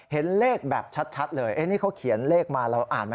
เห็นเลขแบบชัดเลยนี่เขาเขียนเลขมาเราอ่านไหม